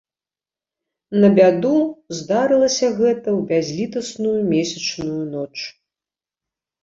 На бяду, здарылася гэта ў бязлітасную месячную ноч.